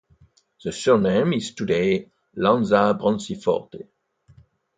The surname is today Lanza Branciforte.